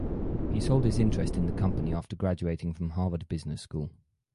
He sold his interest in the company after graduating from Harvard Business School.